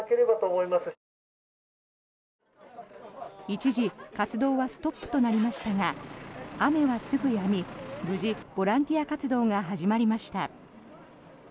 一時、活動はストップとなりましたが雨はすぐやみ無事、ボランティア活動が始まりました。